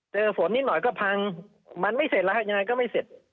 ฝนนิดหน่อยก็พังมันไม่เสร็จแล้วฮะยังไงก็ไม่เสร็จ